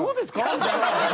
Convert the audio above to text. みたいな。